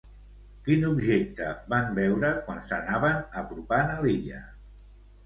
Quin objecte van veure quan s'anaven apropant a l'illa?